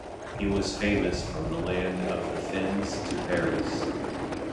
He was famous from the land of the Finns to Paris.